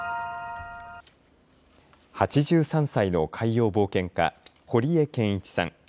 ８３歳の海洋冒険家、堀江謙一さん。